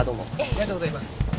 ありがとうございます。